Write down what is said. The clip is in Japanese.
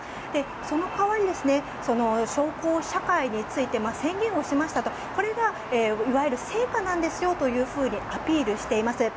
その代わりに小康社会について宣言をしましたとこれがいわゆる成果なんですよとアピールしています。